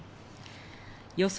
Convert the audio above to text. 予想